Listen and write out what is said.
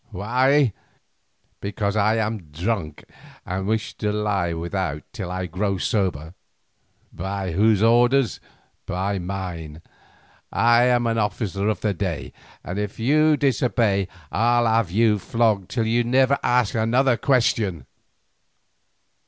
"Why?—because I am drunk and wish to lie without till I grow sober. By whose orders? By mine, I am an officer of the day, and if you disobey I'll have you flogged till you never ask another question."